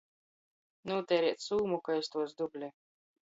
Nūteirēt sūmu, ka iz tuos dubli.